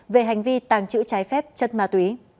về hành vi tàng trữ trái phép chất ma túy